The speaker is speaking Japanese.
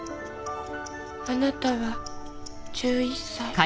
あなたは１１歳。